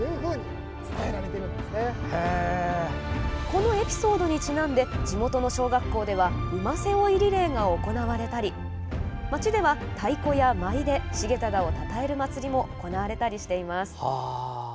このエピソードにちなんで地元の小学校では馬背負いリレーが行われたり街では太鼓や舞で重忠をたたえる祭りも行われたりしています。